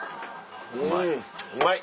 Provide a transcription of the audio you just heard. うまい。